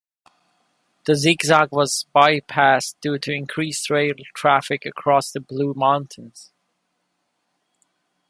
The Zig Zag was bypassed due to increased rail traffic across the Blue Mountains.